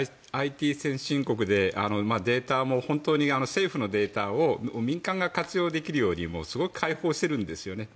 ＩＴ先進国でデータも本当に政府のデータを民間が活用できるように解放してるんですよね。